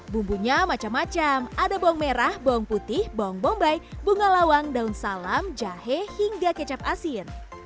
bumbunya macam macam ada bawang merah bawang putih bawang bombay bunga lawang daun salam jahe hingga kecap asin